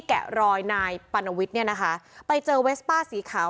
แกะรอยนายปัณวิทย์เนี่ยนะคะไปเจอเวสป้าสีขาว